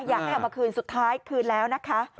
อยากให้เอามาคืนสุดท้ายคืนแล้วนะคะ